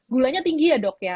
gulanya tinggi ya dok ya